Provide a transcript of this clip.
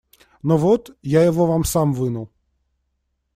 Ну вот, я его вам сам вынул.